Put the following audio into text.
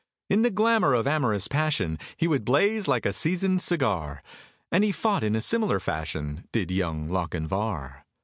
In the glamour of amorous passion He would blaze like a seasoned cigar; And he fought in a similar fashion, Did Young Lochinvar!